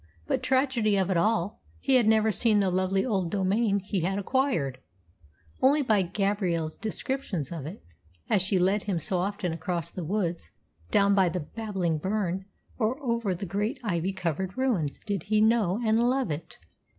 But, tragedy of it all, he had never seen the lovely old domain he had acquired! Only by Gabrielle's descriptions of it, as she led him so often across the woods, down by the babbling burn, or over the great ivy covered ruins, did he know and love it.